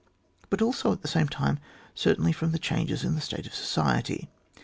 but also at the same time, certainly from the changes in the state of society.